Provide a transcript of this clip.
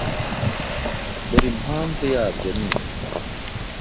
Dore impamvu yabyo niyi